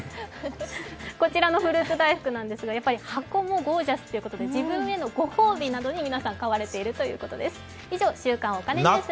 こちらのフルーツ大福なんですがやっぱり箱もゴージャスということで自分へのご褒美として皆さん、買われているということです。